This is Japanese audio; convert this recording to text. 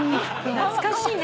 懐かしいね。